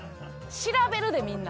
調べるでみんな。